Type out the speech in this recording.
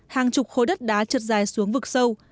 hàng chục khối đất đá chật dài xuống vực sâu